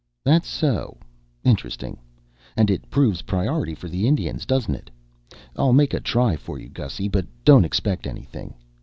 "That so? Interesting and it proves priority for the Indians, doesn't it? I'll make a try for you, Gussy, but don't expect anything."